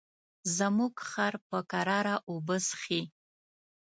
زموږ خر په کراره اوبه څښي.